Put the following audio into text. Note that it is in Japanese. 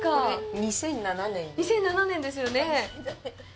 ２００７年ですよね。